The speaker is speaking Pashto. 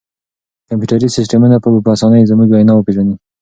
کمپیوټري سیسټمونه به په اسانۍ زموږ وینا وپېژني.